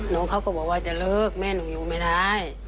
น้องเขาก็บอกว่าจะเลิกแม่หนูอยู่ไม่ได้